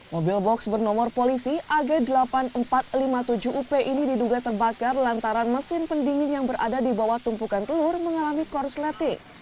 mobil box bernomor polisi ag delapan ribu empat ratus lima puluh tujuh up ini diduga terbakar lantaran mesin pendingin yang berada di bawah tumpukan telur mengalami korsleting